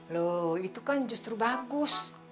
loh itu kan justru bagus